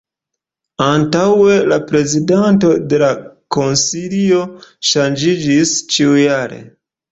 Antaŭe, la prezidanto de la Konsilio ŝanĝiĝis ĉiujare.